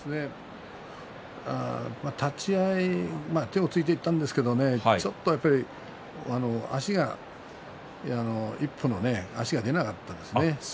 立ち合い手をついていったんですけどねちょっとやっぱり足が一歩の足が出なかったですね。